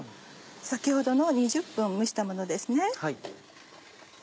先ほどの２０分蒸したものですね。